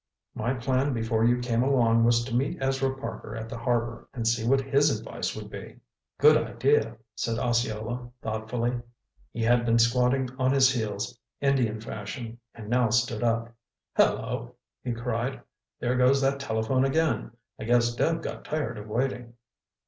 My plan before you came along was to meet Ezra Parker at the Harbor, and see what his advice would be." "Good idea," said Osceola thoughtfully. He had been squatting on his heels, Indian fashion, and now stood up. "Hello!" he cried. "There goes that telephone again. I guess Deb got tired of waiting."